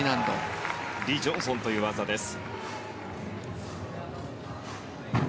リ・ジョンソンという技です。